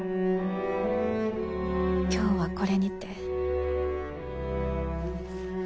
今日はこれにて。